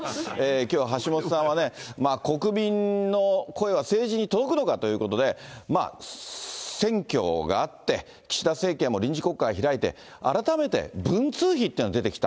きょうは橋下さんはね、国民の声は政治に届くのかということで、選挙があって、岸田政権も臨時国会を開いて、改めて文通費というのが出てきた。